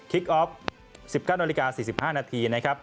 คิกออฟ๑๙น๔๕น